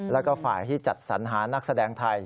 แล้วก็ฝ่ายที่จัดสัญหานักแสดงไทย